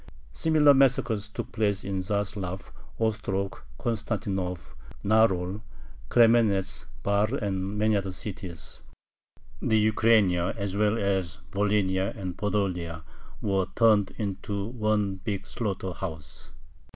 Similar massacres took place in Zaslav, Ostrog, Constantinov, Narol, Kremenetz, Bar, and many other cities. The Ukraina as well as Volhynia and Podolia were turned into one big slaughter house.